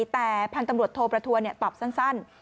แต่พันธุ์ตำรวจโทรประทัวร์เนี่ยตอบสั้น